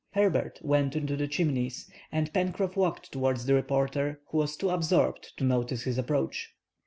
Herbert went into the Chimneys, and Pencroff walked towards the reporter, who was too absorbed to notice his approach.